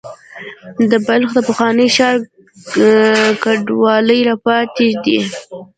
د بلخ د پخواني ښار کنډوالې را پاتې دي.